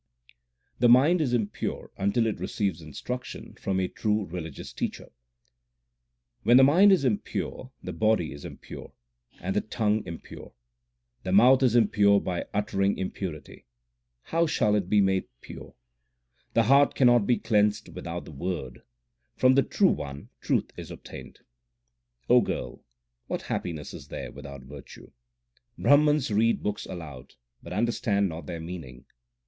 The mind is impure until it receives instruction from a true religious teacher : When the mind is impure the body is impure, and the tongue impure. The mouth is impure by uttering impurity ; how shall it be made pure ? The heart cannot be cleansed without the Word ; from the True One truth is obtained. O girl, what happiness is there without virtue ? Brahmans read books aloud, but understand not their meaning.